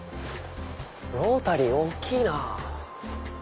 ロータリー大きいな。